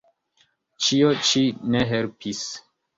Ĉio ĉi ne helpis.